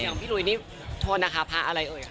อย่างพี่หลุยนี่โทษนะคะพระอะไรเอ่ยค่ะ